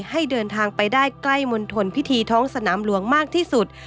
ให้เดินทางไปได้ใกล้มณฑลพิธีท้องสนามหลวงมากที่สุด